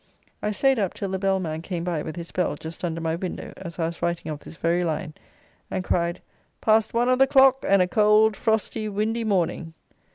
I staid up till the bell man came by with his bell just under my window as I was writing of this very line, and cried, "Past one of the clock, and a cold, frosty, windy morning."